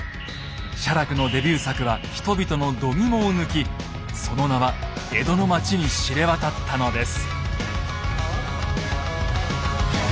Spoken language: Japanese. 写楽のデビュー作は人々のどぎもを抜きその名は江戸の町に知れ渡ったのです。